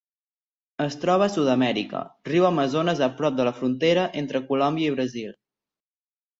Es troba a Sud-amèrica: riu Amazones a prop de la frontera entre Colòmbia i Brasil.